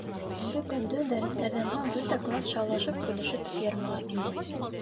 Шәмбе көндө, дәрестәрҙән һуң бөтә класс шаулашып-көлөшөп, фермаға килде.